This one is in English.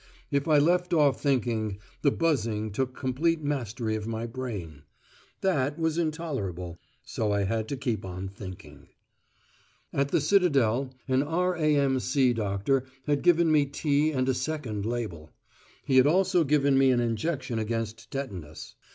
If I left off thinking, the buzzing took complete mastery of my brain. That was intolerable: so I had to keep on thinking. At the Citadel an R.A.M.C. doctor had given me tea and a second label. He had also given me an injection against tetanus.